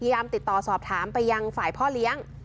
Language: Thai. ติดต่อสอบถามไปยังฝ่ายพ่อเลี้ยง